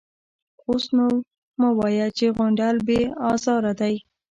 _اوس نو مه وايه چې غونډل بې ازاره دی.